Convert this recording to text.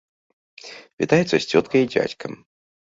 Вітаецца з цёткай і дзядзькам.